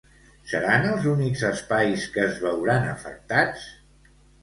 Seran els únics espais que es veuran afectats?